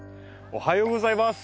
おはようございます。